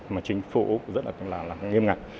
mà chính phủ úc rất là nghiêm ngặt